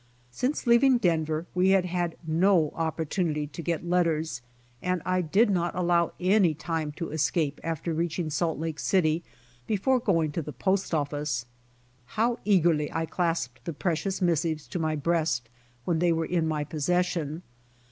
Since leaving Denver we had had no opportunity to get letters, and I did not allow any time to escape after reaching Salt Lake City before going to the post office. How eagerly I clasped the precious m»issives to my breast when they were in my possession.